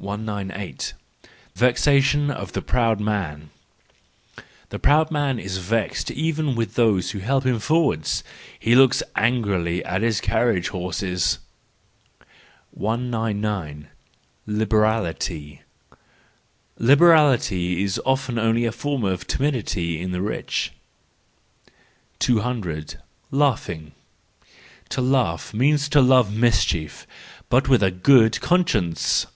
198. Vexation of the Proud Man, —The proud man is vexed even with those who help him forward: he looks angrily at his carriage horses! THE JOYFUL WISDOM, III 196 199 . Liberality. —Liberality is often only a form timidity in the rich. 200. Laughing ,—To laugh means to love mischie but with a good conscience.